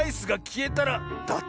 え。